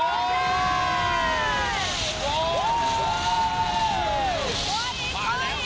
โอ้โฮมาแล้วโอ้โฮ